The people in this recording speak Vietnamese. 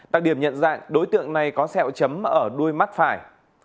đặc điểm nhận dạng đối tượng này có sẹo chấm ở đuôi mắt phải